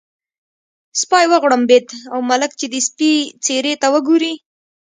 سپی وغړمبېد او ملک چې د سپي څېرې ته وګوري.